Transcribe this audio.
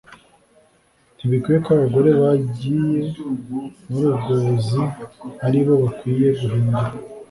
"Ntibikwiye ko abagore bagiye muri ubwo buzi aribo bakwiye guhindura